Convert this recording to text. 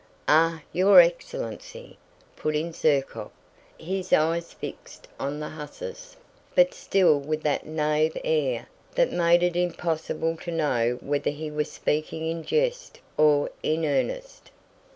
"Ah, your excellency," put in Zherkóv, his eyes fixed on the hussars, but still with that naïve air that made it impossible to know whether he was speaking in jest or in earnest.